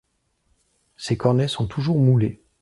Ces cornets sont toujours moulés.